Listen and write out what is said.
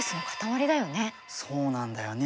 そうなんだよね。